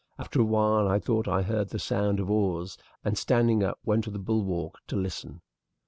After a while I thought I heard the sound of oars, and, standing up, went to the bulwark to listen.